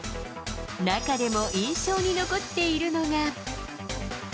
中でも印象に残っているのが。